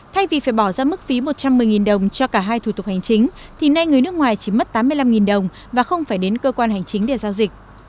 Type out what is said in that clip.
thay vì phải bỏ ra mức phí một trăm một mươi đồng cho cả hai thủ tục hành chính thì nay người nước ngoài chỉ mất tám mươi năm đồng và không phải đến cơ quan hành chính để giao dịch